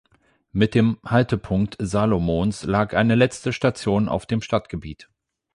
Mit dem Haltepunkt Salomons lag eine letzte Station auf dem Stadtgebiet.